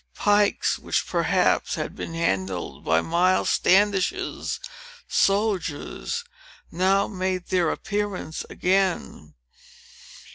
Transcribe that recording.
Pikes, which perhaps, had been handled by Miles Standish's soldiers, now made their appearance again.